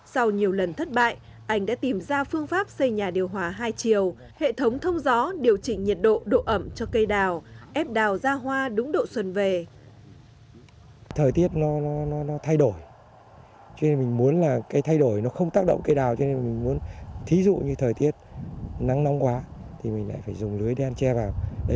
sau nhiều lần thất bại anh đã tìm ra phương pháp xây nhà điều hòa hai chiều hệ thống thông gió điều chỉnh nhiệt độ độ ẩm cho cây đào ép đào ra hoa đúng độ xuân về